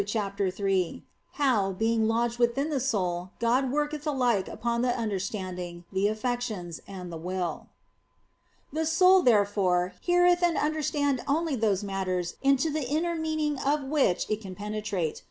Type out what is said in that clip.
CHAPTER III HOW, BEING LODGED WITHIN THE SOUL, GOD WORKETH ALIKE UPON THE UNDERSTANDING, THE AFFECTIONS, AND THE WILL THE soul, therefore, heareth and understandeth only those matters into the inner meaning of which it can penetrate.